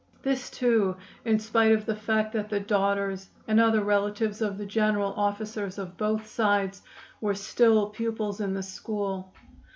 This, too, in spite of the fact that the daughters and other relatives of the general officers of both sides were still pupils in the school.